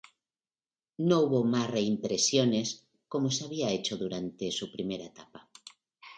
No hubo más reimpresiones, como se había hecho durante su primera etapa.